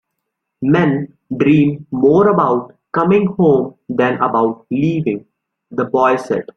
"Men dream more about coming home than about leaving," the boy said.